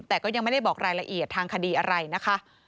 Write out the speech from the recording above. แต่ก็ยังไม่ได้บอกรายละเอียดทางคดีอะไรนะคะ